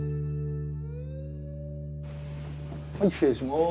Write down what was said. はい失礼します。